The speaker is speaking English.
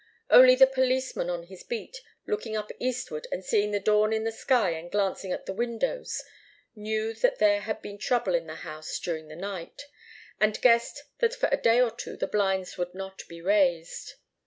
Only the policeman on his beat, looking up eastward and seeing the dawn in the sky and glancing at the windows, knew that there had been trouble in the house during the night, and guessed that for a day or two the blinds would not be raised.